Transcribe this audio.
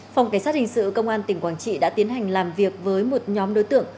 phòng cảnh sát hình sự công an tỉnh quảng trị đã tiến hành làm việc với một nhóm đối tượng